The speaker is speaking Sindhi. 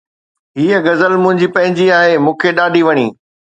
هيءَ غزل منهنجي پنهنجي آهي، مون کي ڏاڍي وڻي